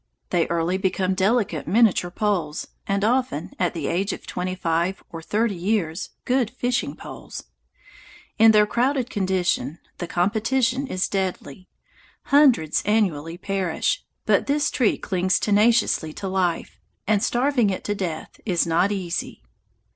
They early become delicate miniature poles, and often, at the age of twenty five or thirty years, good fishing poles. In their crowded condition, the competition is deadly. Hundreds annually perish, but this tree clings tenaciously to life, and starving it to death is not easy.